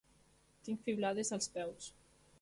Tinc fiblades als peus.